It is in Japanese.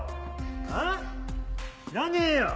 あぁ⁉知らねえよ！